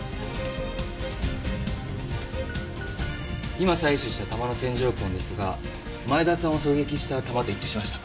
今採取した弾の線条痕ですが前田さんを狙撃した弾と一致しました。